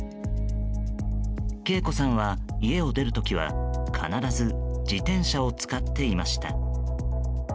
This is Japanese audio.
敬子さんは家を出る時は必ず自転車を使っていました。